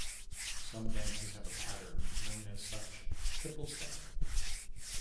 Some dances have a pattern known as such: "triple step".